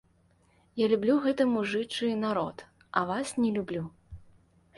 Я люблю гэты мужычы народ, а вас не люблю.